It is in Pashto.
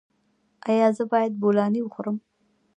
ایا زه باید بولاني وخورم؟